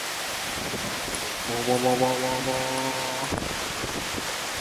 ぼぼぼぼぼお